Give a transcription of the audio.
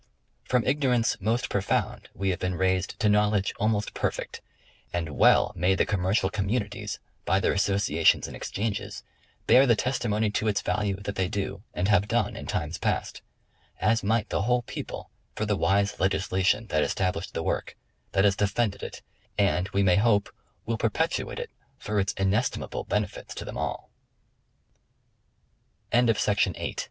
From ignorance most profound we have been raised to knowledge almost perfect; and well may the commercial communities by their associations and exchanges bear the testi mony to its value that they do, and have done in times past ; as might the whole people for the wise legislation that established the work, that has defended it, and we may hope will perpetuate it for its inestim